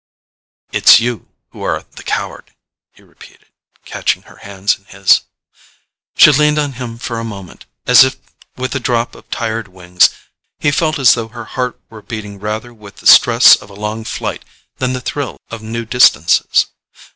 "It's you who are the coward," he repeated, catching her hands in his. She leaned on him for a moment, as if with a drop of tired wings: he felt as though her heart were beating rather with the stress of a long flight than the thrill of new distances.